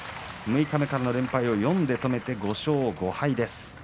六日目からの連敗を４で止めて５勝５敗です。